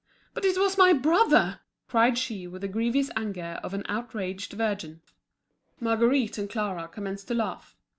"But it was my brother!" cried she with the grievous anger of an outraged virgin. Marguerite and Clara commenced to laugh.